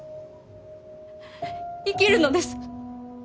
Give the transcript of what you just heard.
生きるのです。